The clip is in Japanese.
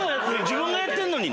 自分がやってんのに。